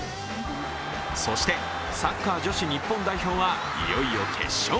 そしてサッカー女子日本代表はいよいよ決勝。